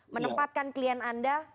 menempatkan klien anda